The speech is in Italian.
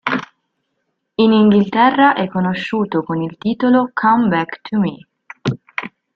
In Inghilterra è conosciuto con il titolo "Come Back to Me".